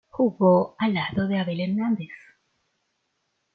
Jugó al lado de Abel Hernández.